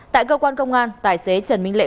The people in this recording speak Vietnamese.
tại cơ quan công an tài xế trần minh lễ